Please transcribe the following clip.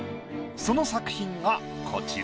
その作品がこちら。